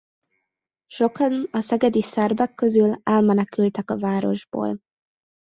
Sokan a szegedi szerbek közül elmenekültek a városból.